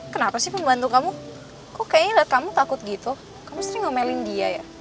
kenapa sih pembantu kamu kok kayaknya liat kamu takut gitu kamu sering ngemelin dia ya